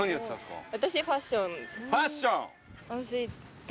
ファッション。